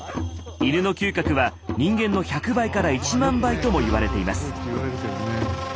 犬の嗅覚は人間の１００倍から１万倍とも言われています。